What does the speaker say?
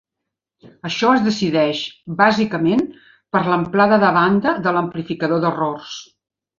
Això es decideix bàsicament per l'amplada de banda de l'amplificador d'errors.